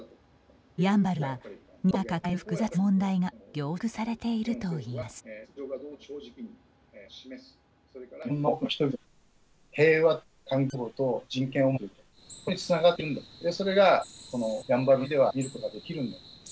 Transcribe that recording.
やんばるには、日本が抱える複雑な問題が凝縮されているといいます。